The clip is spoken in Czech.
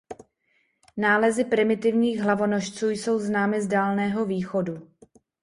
Nálezy primitivních hlavonožců jsou známy z Dálného východu.